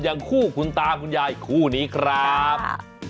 อย่างคู่คุณตาคุณยายคู่นี้ครับ